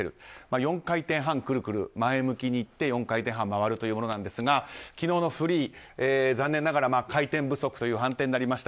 ４回転半くるくると前向きにいって４回転半回るというものですが昨日のフリー、残念ながら回転不足という判定になりました。